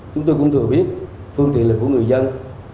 chúng tôi cũng thừa biết phương tiện là của người dân